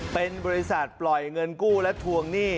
เป็นบริษัทปล่อยเงินกู้และทวงหนี้